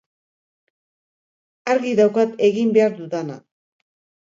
Argi daukat egin behar dudana.